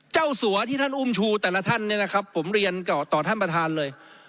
สัวที่ท่านอุ้มชูแต่ละท่านเนี่ยนะครับผมเรียนต่อท่านประธานเลย